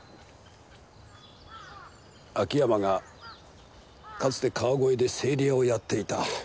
秋山がかつて川越で整理屋をやっていた。